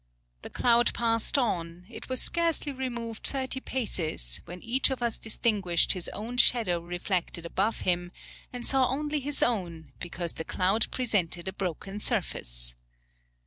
The cloud passed on, it was scarcely removed thirty paces when each of us distinguished his own shadow reflected above him, and saw only his own, because the cloud presented a broken surface.